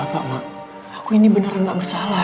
aku ini bener gak bersalah aku ini bener gak bersalah